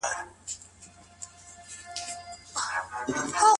زه غواړم چي د پښتنو فرهنګ مطالعه کړم.